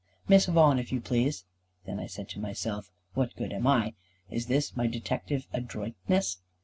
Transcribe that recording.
"Miss Vaughan, if you please." Then I said to myself, "What good am I? Is this my detective adroitness?"